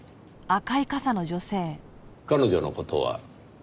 彼女の事は？